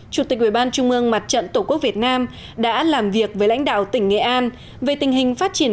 chủ tịch ubnd mặt trận tổ quốc việt nam đã làm việc với lãnh đạo tỉnh nghệ an về tình hình phát triển